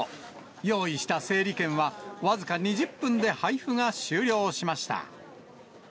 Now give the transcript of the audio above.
用意した整理券は僅か２０分で配布が終了しました。